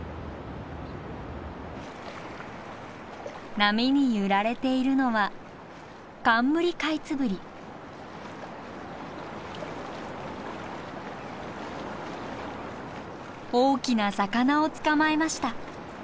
波に揺られているのは大きな魚を捕まえました。